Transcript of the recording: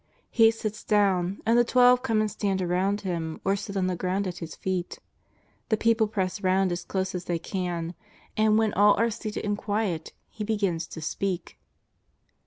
He sits do^vn, and the Twelve come and stand around Him, or sit on the ground at His feet. The people press round as close as they can, and when all are seated and quiet He begins to speak.